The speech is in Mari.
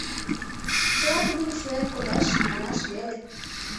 — Чыла тидым шуэн кодаш — манаш веле.